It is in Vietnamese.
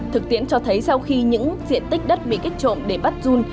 thực tiễn cho thấy sau khi những diện tích đất bị kích trộm để bắt run